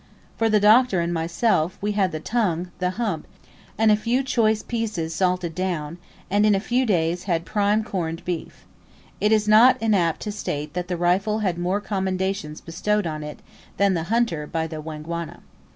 For the Doctor and myself, we had the tongue, the hump, and a few choice pieces salted down, and in a few days had prime corned beef. It is not inapt to state that the rifle had more commendations bestowed on it than the hunter by the Wangwana.